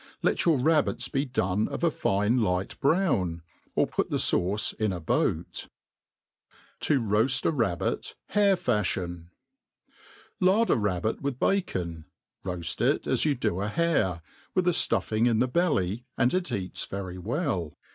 Lft yguf rabbits be done of a fine light bro^n j or put the fa^ce in a^99|;. *^ Xo foajl a Rahhtt hare^fajhion. LARD a rabbit with b^cop | roaji it as you do a hare, wfth fi ftufing in the belly, and it eats ytry well.